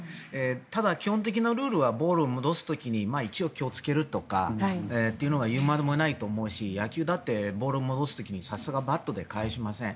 ただ、基本的なルールはボールを戻す時に一応、気をつけるとかというのは言うまでもないと思うし野球だってボールを戻す時にさすがにバットで返しません。